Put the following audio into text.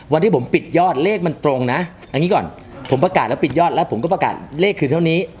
วันที่ผมปิดยอดเลขมันตรงนะอันนี้ก่อนผมประกาศแล้วปิดยอดแล้วผมก็ประกาศเลขคือเท่านี้